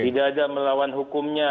tidak ada melawan hukumnya